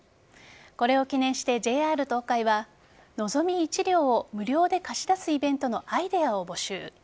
これを記念してＪＲ東海はのぞみ１両を無料で貸し出すイベントのアイデアを募集。